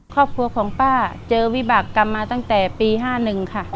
ครอบครัวของป้าเจอวิบากรรมมาตั้งแต่ปี๕๑ค่ะ